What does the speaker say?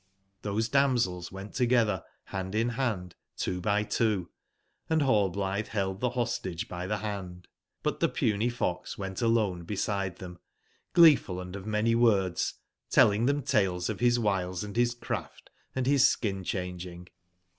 XTbose damsels went togetber band in band two by two, and Rallblitbe beld tbe Hostage by tbe band ; but tbe puny fox went alone beside tbem, gleeful and of many words ; telling tbem tales of bis wiles and bis craft, & bis skin/cbanging.